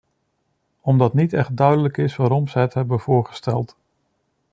Omdat niet echt duidelijk is waarom ze het hebben voorgesteld.